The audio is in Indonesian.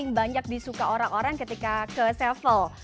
ini memang banyak disuka orang orang ketika ke several